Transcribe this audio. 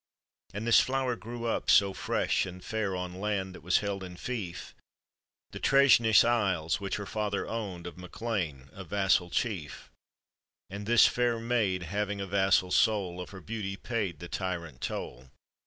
And this flower grew up BO fresh and fair On land that was held in flef, « The Treshnish Isle?, which her father owned Of MacLean, a vasfal chief, And this fair maid, having a vassal soul, Of her beauty paid the tyrant toll.